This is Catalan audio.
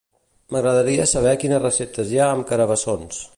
M'agradaria saber quines receptes hi ha amb carabassons.